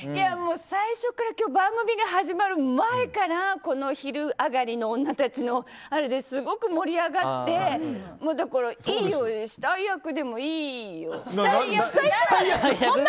最初から今日番組が始まる前から「昼上がりのオンナたち」の話ですごく盛り上がってだから、いいよ死体役でもいいよ。